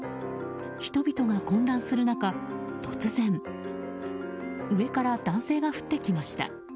人々が混乱する中、突然上から男性が降ってきました。